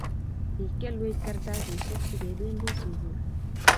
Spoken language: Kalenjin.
kikialwech kartasishek sikebendi sugul